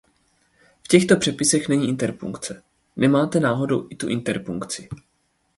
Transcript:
V těchto přepisech není interpunkce. Nemáte náhodou i tu interpunkci.